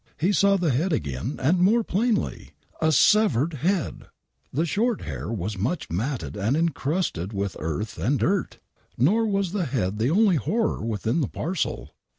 He saw the head again, and more plainly ! A severed head I The short hair was much matted and encrusted with eart' ad dirt !! Nor was the head the only horror within the parcel